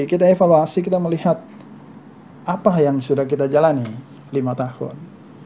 kita evaluasi kita melihat apa yang sudah kita jalani lima tahun